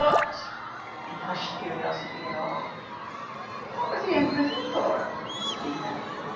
What " in hushed curiosity and awe "what was he in prison for?" "Stealin'."